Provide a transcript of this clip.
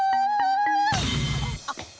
あっ。